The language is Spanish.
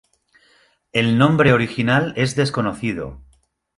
El nombre original es desconocido.